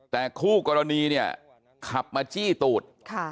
แต่คู่กรณีเนี่ยขับมาจี้ตูด